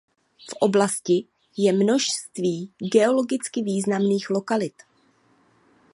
V oblasti je množství geologicky významných lokalit.